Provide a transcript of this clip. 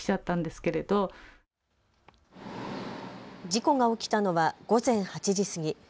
事故が起きたのは午前８時過ぎ。